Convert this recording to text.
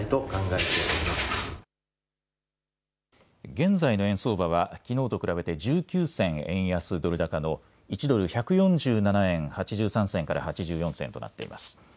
現在の円相場はきのうと比べて１９銭円安ドル高の１ドル１４７円８３銭から８４銭となっています。